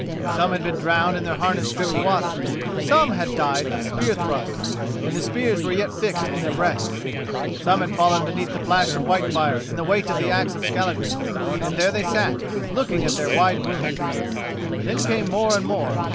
Some had been drowned and their harness dripped water! Some had died of spear thrusts and the spears were yet fixed in their breasts! Some had fallen beneath the flash of Whitefire and the weight of the axe of Skallagrim, and there they sat, looking on their wide wounds! Then came more and more.